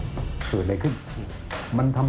มีความรู้สึกว่ามีความรู้สึกว่า